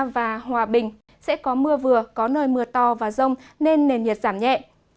và hòa bình sẽ có mưa vừa có nơi mưa to và rông nên nền nhiệt giảm nhẹ